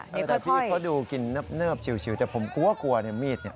แต่พี่เขาดูกินเนิบชิวแต่ผมกลัวเนี่ยมีดเนี่ย